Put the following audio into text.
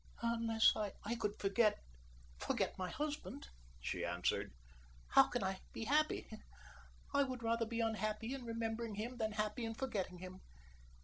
"Unless I could forget forget my husband," she answered, "how can I be happy? I would rather be unhappy in remembering him than happy in forgetting him.